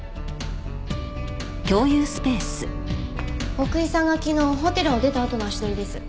奥居さんが昨日ホテルを出たあとの足取りです。